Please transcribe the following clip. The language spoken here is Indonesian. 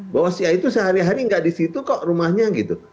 bahwa si itu sehari hari gak disitu kok rumahnya gitu